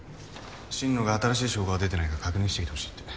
心野が新しい証拠が出てないか確認してきて欲しいって。